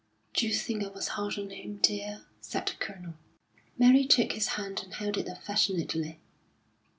"D'you think I was hard on him, dear?" said the Colonel. Mary took his hand and held it affectionately.